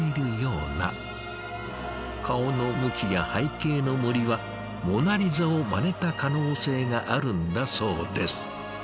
顔の向きや背景の森は「モナリザ」をまねた可能性があるんだそうです。